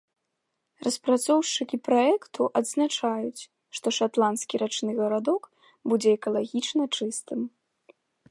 Распрацоўшчыкі праекту адзначаюць, што шатландскі рачны гарадок будзе экалагічна чыстым.